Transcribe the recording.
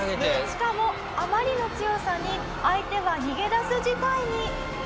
しかもあまりの強さに相手が逃げ出す事態に。